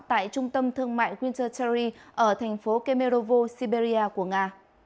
tại trung tâm thương mại winter terry ở thành phố kemerovo siberia của nga